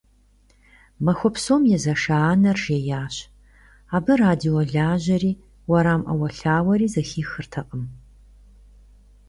Махуэ псом езэша анэр жеящ, абы радио лажьэри, уэрам Ӏэуэлъауэри зэхихыртэкъым.